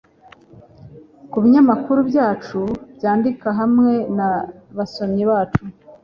kubinyamakuru byacu byandika hamwe na basomyi bacu